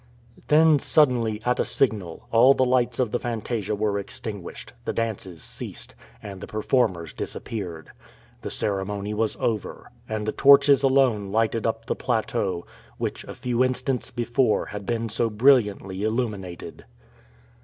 Then, suddenly, at a signal, all the lights of the fantasia were extinguished, the dances ceased, and the performers disappeared. The ceremony was over, and the torches alone lighted up the plateau, which a few instants before had been so brilliantly illuminated.